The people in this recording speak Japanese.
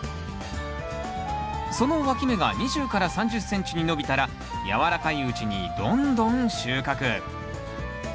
そのわき芽が２０３０ｃｍに伸びたらやわらかいうちにどんどん収穫。